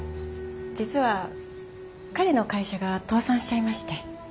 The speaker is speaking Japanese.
実は彼の会社が倒産しちゃいまして。